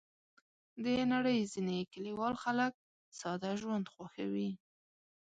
د نړۍ ځینې کلیوال خلک ساده ژوند خوښوي.